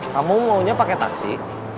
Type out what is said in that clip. kamu maunya pakai taksi